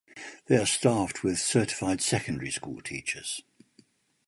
They are staffed with certified secondary school teachers.